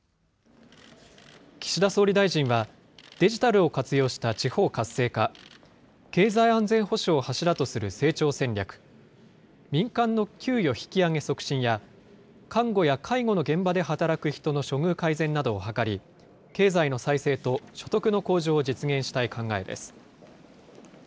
岸田総理大臣は、デジタルを活用した地方活性化、経済安全保障を柱とする成長戦略、民間の給与引き上げ促進や、看護や介護の現場で働く人の処遇改善などを図り、経済の再生と所得の向上を実現したい考えです。